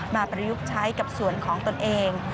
ประยุกต์ใช้กับส่วนของตนเอง